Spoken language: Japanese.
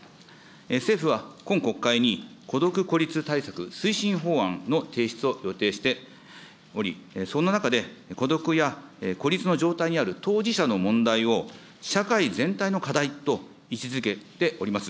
政府は今国会に孤独・孤立対策推進法案の提出を予定しており、そんな中で、孤独や孤立の状態にある当事者の問題を社会全体の課題と位置づけております。